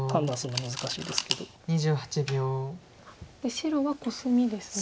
白はコスミですね。